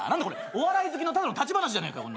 お笑い好きのただの立ち話じゃねえか。